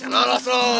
hahaa mau lari kemana